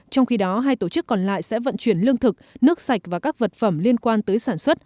trong khi đó hai tổ chức còn lại sẽ vận chuyển lương thực nước sạch và các vật phẩm liên quan tới sản xuất